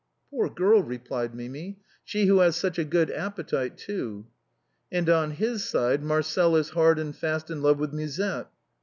Poor girl !" replied Mimi. " She who has such a good appetite, too." " And on his side, Marcel is hard and fast in love with Musette."